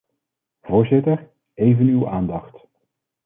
Voorzitter, even uw aandacht.